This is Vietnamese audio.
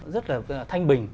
rất là thanh bình